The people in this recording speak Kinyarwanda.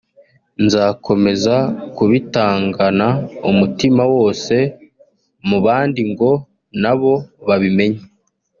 nzakomeza kubitangana umutima wose mu bandi ngo nabo babimenye